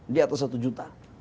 di atas satu juta